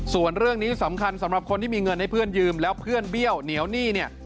ส่วนเรื่องนี้สำคัญสำหรับคนที่มีเงินให้เพื่อนยืมแล้วเพื่อนเบี้ยวเหนียวหนี้เนี่ย